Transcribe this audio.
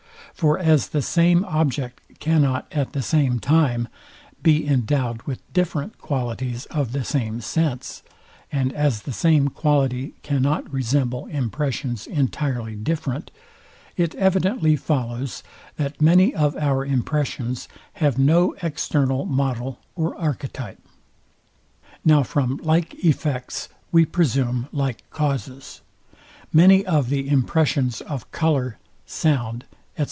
For as the same object cannot, at the same time, be endowed with different qualities of the same sense, and as the same quality cannot resemble impressions entirely different; it evidently follows, that many of our impressions have no external model or archetype. Now from like effects we presume like causes. Many of the impressions of colour, sound, &c.